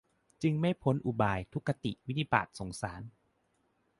จึงไม่พ้นอุบาย ทุคติ วินิบาต สงสาร